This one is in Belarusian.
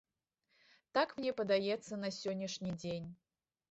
Так мне падаецца на сённяшні дзень.